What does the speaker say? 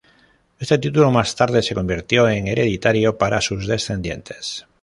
Este título más tarde se convirtió en hereditario para sus descendientes.